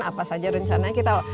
apa saja rencana kita